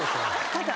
ただ。